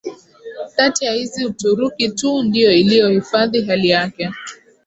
Kati ya hizi Uturuki tu ndio iliyohifadhi hali yake